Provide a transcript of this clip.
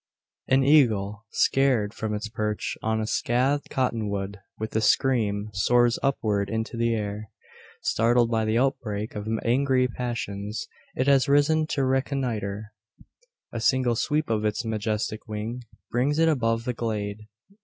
An eagle, scared from its perch on a scathed Cottonwood, with a scream, soars upward into the air. Startled by the outbreak of angry passions, it has risen to reconnoitre. A single sweep of its majestic wing brings it above the glade.